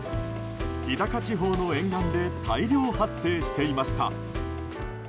日高地方の沿岸で大量発生していました。